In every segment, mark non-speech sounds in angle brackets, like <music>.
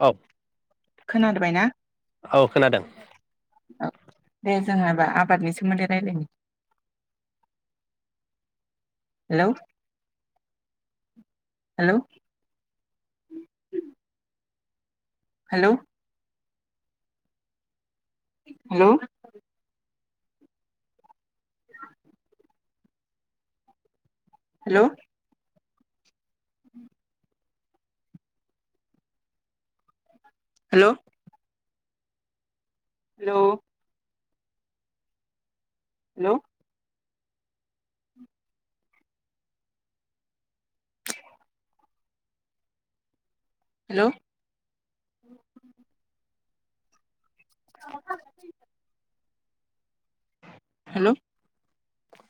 औ खोनाबाय ना? औ खोनादों। औ दे जोंहा बा आबादनि सोमोन्दै रायलायनो hello hello hello hello hello hello hello hello hello <unintelligible> hello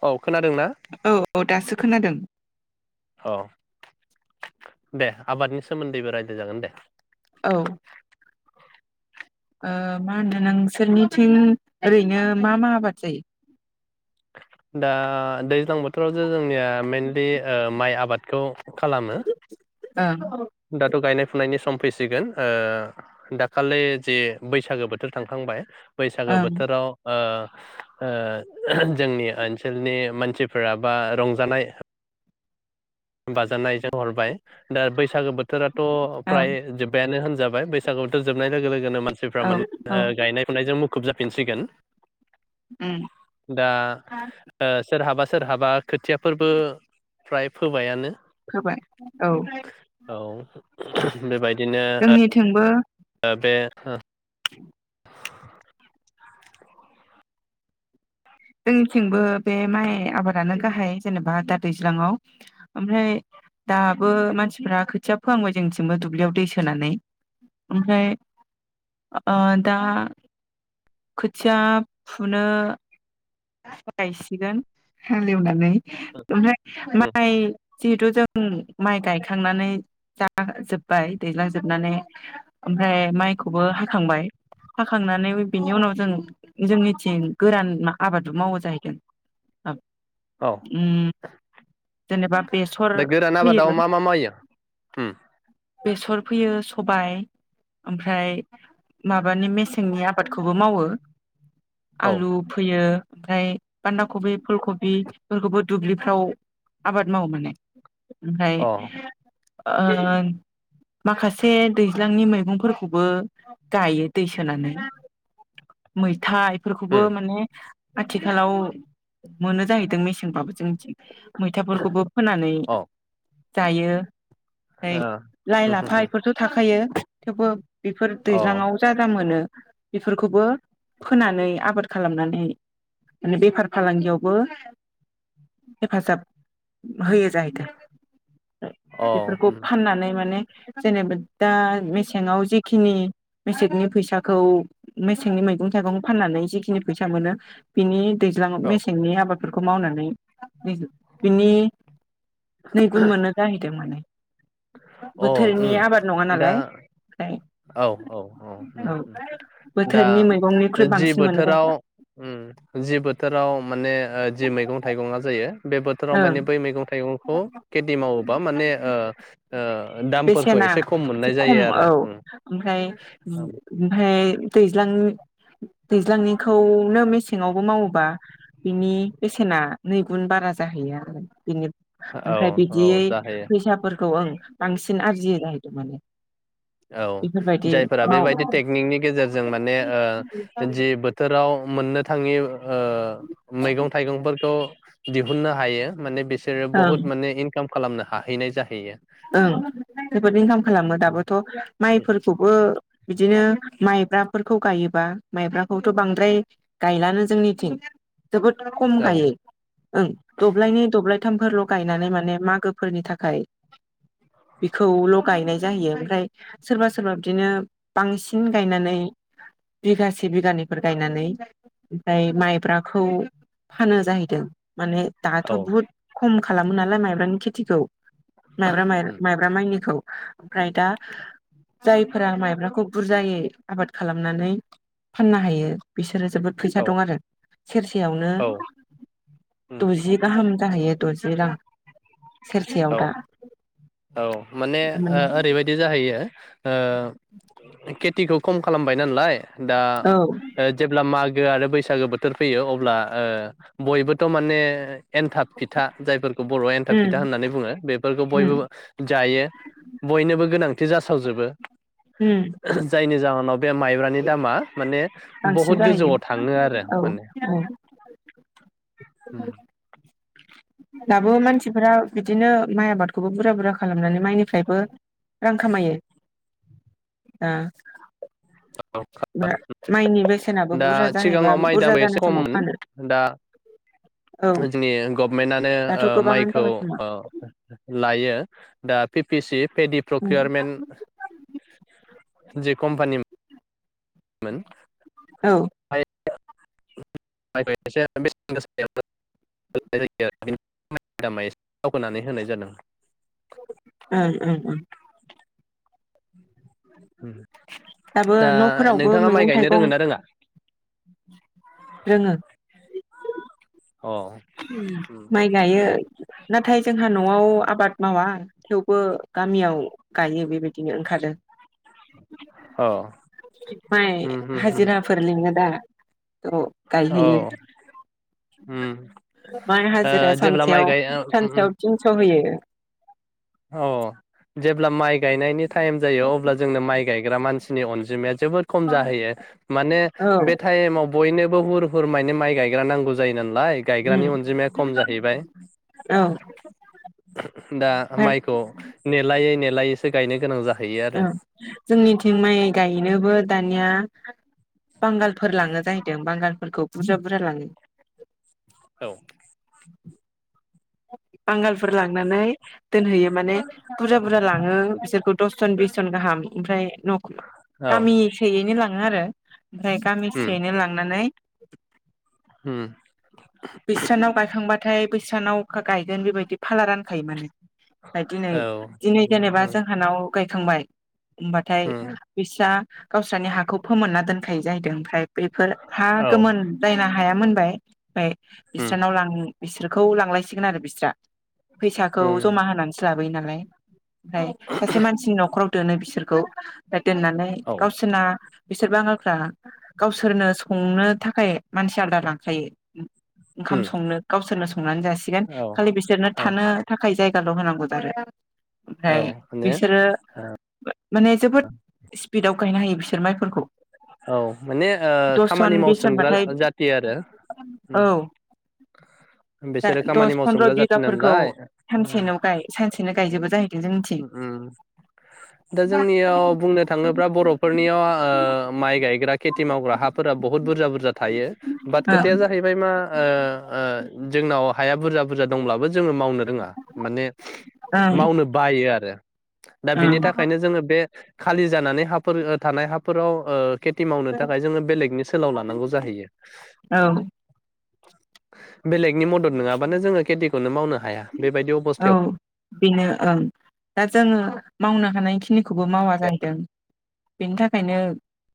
औ खोनादों ना? औ औ दासो खोनादों। औ दे आबादनि सोमोन्दै बा रायज्लाय जागोन दे। औ ओ मा होनो नोंसोरनिथिं ओरैनो मा मा आबाद जायो? दा दैज्लां बोथोराव जे जोंनिया मेनलि ऐ माइ आबादखौ खालामो। ओं दाथ' गायनाय फुनायनि सम फैसिगोन ओ दाखालि जे बैसागो बोथोर थांखांबाय। बैसागो ओं बोथोराव ओ ओ जोंनि ओनसोलनि मानसिफोरा बा रंजानाय बाजानायजों हरबाय दा बैसागो बोथोरा थ ओं फ्राय जोबबायानो हो जाबाय बैसागो बोथोर जोबनाय लोगो लोगो नो मानसिफ्रा औ मा औ ओ गायनाय फुनायजों मुखुब जा फिनसिगोन। उम दा ओ सोरहाबा सो सोरहाबा खोथियाफोरबो फ्राय फोबायानो फोबाय औ औ बेबायदिनो जोंनिथिंबो ओ बे <inaudible> जोंनिथिंबो बे माइ आबादानो गाहाइ जेनेबा दा दैज्लांआव ओमफ्राय दाबो मानसिफ्रा खोथिया फोहांबाय जोंनिथिंबो दुब्लियाव दै सोनानै ओमफ्राय दा खोथिया फुनो गायसिगोन हालेवनानै फ्राय उम माइ जिहेथु जों माइ गायखांनानै जाजोबबाय दैलांजोबनानै ओमफ्राय माइखौबो हाखांबाय हाखांनानै बिनि उनाव जों जोंनिथिं गोरान मा आबादबो मावा जाहैदों। औ औ जेनेबा बेसर दा गोरान आबादाव फोयो मा मा मावो? बेसर फोयो सबाय ओमफ्राय माबानि मेसेंनि आबादखौबो मावो। औ आलु ओमफ्राय बान्दा कबि फुल खबिफोरखौबो दुब्लिफ्राव आबाद मावो माने ओमफ्राय अ ओन माखासे दैज्लांनि मैगंफोरखौबो गायो दै सोनानैै मै था इफोरखौबो उम माने आथिखालाव मोनो जाहैदों मेसेंबाबो जोंनिथिं मैथाफोरखौबो फोनानै अ जायो फाय लाइ लाफा एफोरथ' थाखायो थेवबो बेफोर ओ दैज्लाङाव जागा मोनो बेफोरखौबो फोनानै आबाद खालामनानै नै माने बेफार फालांगियावबो हेफाजाब होयो जाहैदों बेफोरखौ होम फाननानै माने जेनेबा दा मेसेङाव जेखिनि मेसेंनि फैसाखौ मेसेंनि मैगं थाइगं फाननानै जिखिनि फैसा सा मोनो बिनि होम दैज्लाङाव अ उम औ मेसेंनि आबादफोर खौ मावनानै <unintelligible> बिनि नै गुन मोनो जाहैदों माने अ बोथोरनि आबाद नङा उम दा नालाय ओमफ्राय औ औ औ उम उम दा बोथोरनि मैगंनिख्रुइ जि बांसिन मोनो बोथोराव जाहैदों उम जि बोथोराव माने ओ जि मैगं थाइगंआ जायो बे बोथोराव ओं माने बै मैगं थाइगंखौ खेथि मावोबा माने ओ ओ दामफोरखौ बेसेना खम एसे मोननाय खम जायो औ आरो उम ओमफ्राय ओमफ्राय दैज दैज्लां दैज्लांनिखौनो मेसेङावबो मावोबा बिनि बेसेना नैगुन बारा जा जाहैयो आरो बिनि औ ओमफ्राय बिदियै औ जाहैयो फैसाफोरखौ ओं बांसिन आरजियो जाहैदों माने। औ बेफोरबायदि जायफोरा मावो बेबायदि टेकनिकनि गेजेरजों माने ओ जि बोथोराव मोननो थाङि ओ मैगं थाइगंफोरखौ दिहुननो हायो माने बिस सोरो ओं बहुत माने इनकाम खालामनो हाहैनाय जाहैयो। ओं जोबोद इनकाम खालामो दाबोथ' माइफोरखौबो बि दिनो माइब्राफोरखौ गायोबा माइब्राखौथ' बांद्राय गायलानो जोंनिथिं। जोबोद खम औ गायो ओं दब्लायनै दब्लाय थामफोरल' गायनानै माने मागोफोरनि थाखाय बेखौल' गायनाय जायो ओमफ्राय सोरबा सोरबा बिदिनो बांसिन गायनानै बिगासे बिगानैफोर गायनानै ओमफ्राय माइब्राखौ फानो जाहैदों। माने दाथ' औ बहुत खम खालामो नालाय माइब्रानि खेथिखौ माइब्रा उम माइब्रा माइनिखौ। ओमफ्राय दा जायफोरा माइब्राखौ बुरजायै आबाद खालामनानै फाननो हायो बिसोर सोरो जोबोद फैसा औ दं आरो सेरसेयावनो औ उम द'जि गाहाम जाहैयो। दजि रां। सेरसेयाव दा औ औ माने ओरैबायदि जाहै हैयो। ओ के थिखौ खम खालामबाय नालाय दा औ ओ जेब्ला मा गो आरो बैसागो बोथोर फैयो अब्ला बयबोथ' माने एनथाब फिथा जायफोरखौ बर'आ एनथाब फिथा उम होननानै बेफोरखौ उम बयबो जायो बयनो बो गोनांथि जासावजोबो। उम जायनि जाउन बे माइब्रानि दामा माने बांसिन बुहुत जाहैयो गोजौआव थाङो आरो औ माने। औ उम। दाबो मानसिफोरा बिदिनो माइ आबादखौबो बुरजा बुरजा खालामनानै माइनिफ्रायबो रां खामायो। माइनि बेसेनाबो दा बुरजा जाहैबा सिगाङाव माइ दाम बुरजा एसे जानाय समाव खममोन फानो दा औ जोंनि गभमेन्टनो दाथ' गोबाङानो माइखौ जाबाय खोमा ओ लायो। दा पिपतिसि पेडि औ प्रक्रियारमेन्ट जि कमपानि मोन। ओं <unintelligible> ओं ओं ओं। उम। दाबो न'फोरावबो मैगं गायनो रोङो थाइगं ना रोङा <inaudible> रोङो। अ माइ गायो नाथाय जोंहा न'आव आबाद मावा । थेवबो गामियाव गायो बेबायदि बिनो ओंखारदों अ माइ उम उम उम हाजिराफोर लिङो दा औ औ गायहैयो । उम माइ ओ हाजिरा जेब्ला माइ सानसेयाव गाय सानसेयाव थिनस' होयो । औ जेब्ला माइ गायनायनि टाइम जायो अब्ला जोंनो माइ गायग्रा मानसि मानसिनि अनजिमाया जोबोद खम जाहैयो माने औ बे टाइमाव बयनोबो हुर फोरमायनो माइ गायग्रा नांगौ जायो नालाय गायग्रानि उम अनजिमाया खम जाहैबाय औ दा ओमफ्राय माइखौ नेलायै नेलायै गायनो गोनां जाहैयो औ आरो जोंनिथिं माइ गायनोबो दानिया बांगालफोर लाङो जाहैदों बांगालफोरखौ बुरजा बुरजा लाङो औ । बांगालफोर लांनानै दोनहैयो माने बुरजा बुरजा लाङो बिसोरखौ दस जन बिस जन गाहाम ओमफ्राय न'खौ गामिसेयैनो लाङो आरो ओमफ्राय उम गामिसेयैनो लांनानै उम बिस्रानाव गायखांबा बेनिफ्राय बैस्रानाव गायगोन बेबायदि फाला रानखायो माने। ओमफ्राय दिनै औ दिनै जेनेबा उम जोंहानाव गायखांबाय होमबाथाय उम बैस्रा गावस्रानि हाखौ फोमोनना दोनखायो जाहैदों ओमफ्राय बेफोर हा औ गोमोन जायना हाया मोन बाय ओमफ्राय उम बिस्रानाव लां बिसोरखौ लांलायसिगोन आरो बिस्रा। फैसाखौ उम जमा होनानैसो ला बोयो नालाय फ्राय सासे मान न'खराव दोनो बिसोरखौ दोननानै गावसोना बिसोर बांगालफ्रा गावसोरनो संनो थाखाय मानसि आलदा लांखायो उम। ओंखाम उम संनो गावसोरनो संनानै जासिगोन औ खालि बिसोरनो औ थानो थाखाय जाय गाल' होनांगौ जारो औ ओमफ्राय माने बिसोरो मा-माने जोबोद स्पिडाव गायनो हायो बिसोर माइफोरखौ। औ माने ओ दस खामानि जन बिस मावसोमग्रा जनबाथाय जाथि आरो औ उम जा बिसोरो खामानि दस फन्द्र मावसोमग्रा जाथि नालाय उम। बिदिनो गायजोबो जायो उम उम। दा जोंनियाव बुंनो थाङोब्ला बर'फोरनियाव ओ माइ गायग्रा खेथि मावग्रा हाफोरा बहुत बुरजा बुरजा थायो बाट खोथाया ओं जाहैबाय मा ओ ओ जोंनाव हाया बुरजा बुरजा दंब्लाबो जोङो मावनो रोङा माने ओं ओं मावनो बायो आरो दा बिनि थाखायनो जोङो बे खालि जानानै हाफोरो ओ थानाय हाफोराव ओ खेथि मावनो थाखाय जोङो बेलेगनि सोलाव लानांगौ जाहैयो। औ बेलेगनि मदद नङाबानो जोङो खेतिखौनो मावनो हाया। बेबायदि औ अबस्थायाव बेनो ओं। दा जोङो मावनो हानाय खि निखौबो मावा जाहैदों। बेनि थाखायनो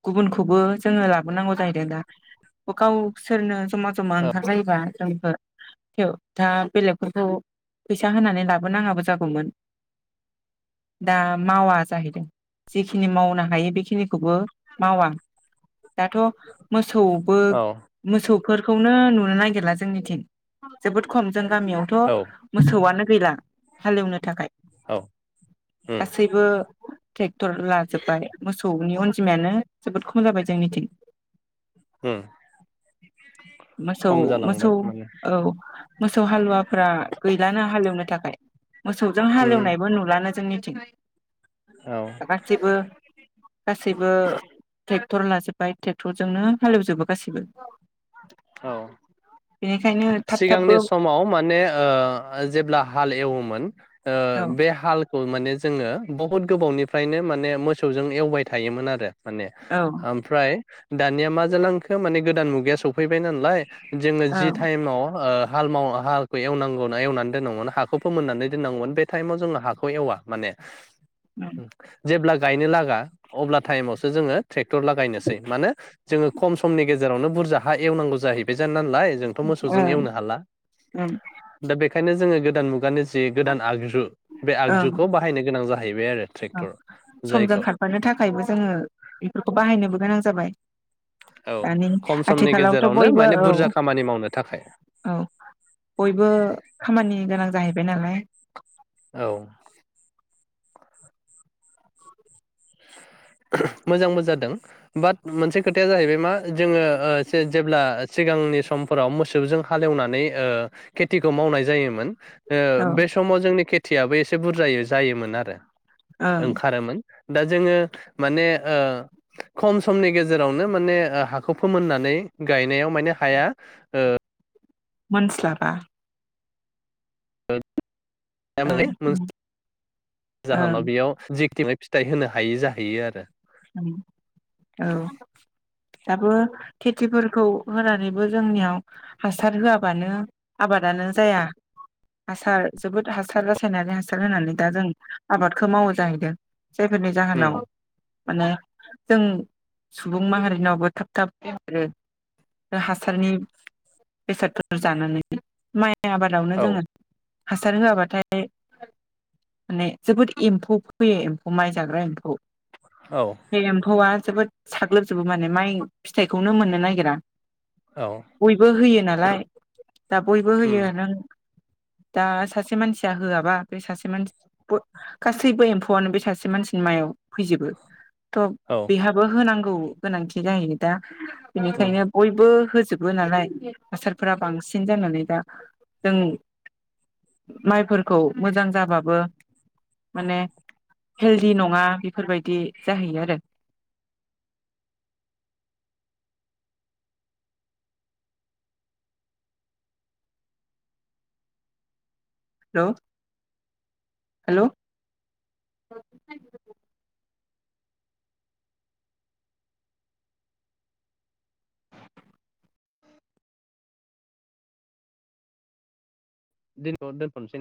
गुबुनखौबो जोङो लाबोनांगौ जाहैदोंदा अ गावसोरनो जमा जमा औ ओंखारलायोबा जों ओ थेव दा बेलेगफोरखौ फैसा होनानै लाबोनाङाबो जागौमोन दा मावा जाहैदों जेखिनि मावनो हायो बेखिनिखौबो मावा दाथ' मोसौबो मोसौ फोरखौनो नुनो नागिरला जोंनिथिं जोबोद खम जोहानि औ गामियावथ' मोसौआनो गैला हालेवनो थाखाय। औ उम गासैबो ट्रेक्टर लाजोबबाय मोसौनि अनजिमायानो जोबोद खम जाबाय जोंनिथिं । उम मोसौ खम मोसौ जालांबाय माने औ मोसौ हालुवाफ्रा गैलानो हालेवनो थाखाय मोसौजों उम हालेवनायबो नुलानो जोंनि औ <unintelligible> गासैबो गासैबो टेक टर लाजोब्बाय ट्रेक्टर जजोंनो हालेवजोबबो गासैबो । औ थाब थाबबो सिगांनि समाव माने ओ जेब्ला हाल एवोमोन ओ औ बे हाल औ माने जोङो बहुत गोबावनिफ्रायनो माने मोसौजों एवबाय थायोमोन आरो माने ओं ओमफ्राय दानिया मा जालांखो माने गोदान मुगा सौफैबाय नालाय जोङो जि ओं टाइमाव ओ हाल माव हालखै एवनांगौ एवनानै दोननांगौमोन हाखौ फोमोननानै दोननांगौमोन बे टाइमाव जोङो हाखौ एवा माने जेब लाख गायनो लागा अब्ला टाइमावसो जोङो ट्रेक्टर लागायनोसै माने जोङो खम समनि गेजेरावनो बुरजा हा एवनांगौ जाहैब बेजान नालाय जोंथ' मोसजों ओं एवनो हाला दा बेनिखायनो जोङो दान मुगानिस जि गोदान आगजु बे आगजुखौ बाहायनो गोनां जा औ समजों खारफानो थाखायबो जोङो बेफोरखौ बाहायनोबो गोनां जाबाय औ दानि खम समनि आथिखालावथ' गेजेरावनो बयबो माने औ बुरजा खामानि मावनो थाखाय औ बयबो खामानि गोनां जाहैबाय नालाय । औ । मोजांबो जादों बाट मोनसे खोथाया जाहैबाय मा जोङो जेब्ला सिगांनि समफोराव मोसौजों हालेवनानै खेथिखौ मावनाय जायोमोन औ बे समाव जोंनि खेथ थियाबो एसे बुरजाय जायोमोन आरो । ओं ओंखारोमोन दा जोङो माने ओ खम समनि गेजेरावनो माने हाखौ फोमोननानै गायनायाव माने हाया ओ मोनस्लाबा <unintelligible> ओं ओं <unintelligible> ओं जाहोनाव बेयाव जि थिबाय फिथाइ होनो हायि जाहैयो आरो । औ दाबो खेथिफोरखौ होनानैबो जोंनियाव हासार होआबानो आबादानो जाया हासार जोबोद हासार रासायनारि हासार होनानै दा जों आबादखौ मावो जाहैदों जायफोरनि उम जाहोनाव माने जों सुबुं माहारिनावबो थाब थाब फेरो हासारनि बेसादफोर जानानै माइ माइ आबादावनो औ जोङो हासार होआबाथाय माने जोबोद एम्फौ फोैयो एम्फौ माइ जाग्रा एम्फौ औ बे एम्फौ आ जोबोद साग्लोबजोबो माने माइ फिथाइखौनो मोननो नागिरा औ बयबो होयो नालाय दा बयबो उम होयो नों दा सासे मानसिया होआबा बे सासे मानसि गासैबो एम्फौआनो बे सासे मानसिनि मायाव फैजोबो थ औ बेहाबो होनांगौ औ गोनांखि गायो दा उम बेनिखायनो बयबो जाबो नालाय हासारफोरा बांसिन जानानै दा जों माइफोरखौ मोजां जाबाबो माने हेलदि नङा फोरफोरबायदि जाहैयो आरो हेल हेल द दोनसै <unintelligible>